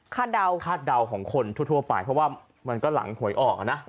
คาดเดาของคนทั่วไปเพราะว่ามันก็หลังหวยออกอ่ะนะ